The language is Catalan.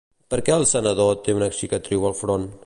Per què el sanador té una cicatriu al front?